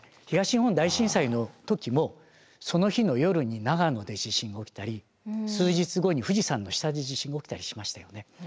東日本大震災の時もその日の夜に長野で地震が起きたり数日後に富士山の下で地震が起きたりしましたよね。